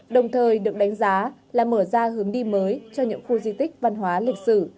đồng thời được đánh giá là mở ra hướng đi mới cho những khu di tích văn hóa lịch sử